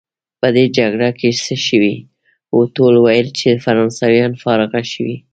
په دې جګړه کې څه شوي وو؟ ټولو ویل چې فرانسویان فارغه شوي.